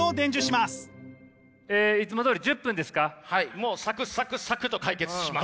もうサクサクサクと解決します。